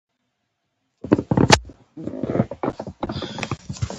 خو لاسونه او پښې مې اخوا دېخوا وهل.